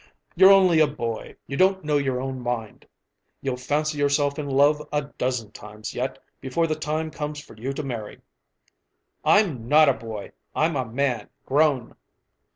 "You're only a boy. You don't know your own mind. You'll fancy yourself in love a dozen times yet before the time comes for you to marry." "I'm not a boy. I'm a man grown."